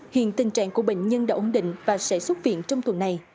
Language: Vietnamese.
hiện tình trạng của bệnh nhân đã ổn định và sẽ xuất viện trong tuần này